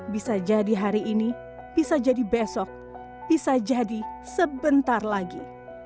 bisa jadi hari ini bisa jadi besok bisa jadi sebentar lagi